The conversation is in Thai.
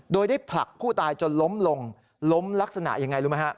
โดยได้ผลักผู้ตายจนล้มลงล้มลักษณะยังไงรู้ไหมฮะ